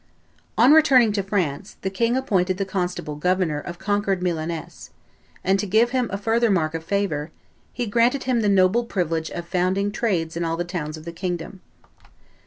On returning to France the king appointed the constable governor of conquered Milaness; and to give him a further mark of favor, "he granted him the noble privilege of founding trades in all the towns of the kingdom.